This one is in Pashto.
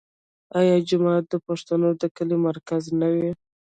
آیا جومات د پښتنو د کلي مرکز نه وي؟